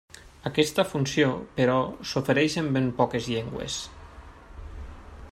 Aquesta funció, però, s'ofereix en ben poques llengües.